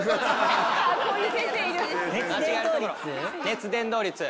熱伝導率。